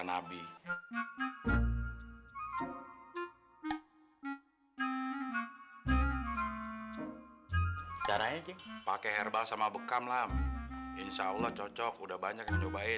nabi caranya pakai herbal sama bekam lam insyaallah cocok udah banyak yang cobain